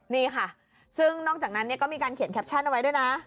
นี่ค่ะซึ่งนอกจากนั้นก็มีการเขียนแคปชั่นเอาไว้ด้วยนะ